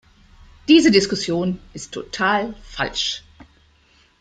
Diese Diskussion ist total falsch!